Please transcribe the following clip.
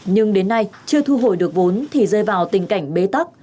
nhưng đến nay chưa thu hồi được vốn thì rơi vào tình cảnh bế tắc